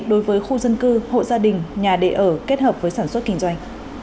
đối với khu dân cư hộ gia đình nhà đề ở kết hợp với sản xuất kinh doanh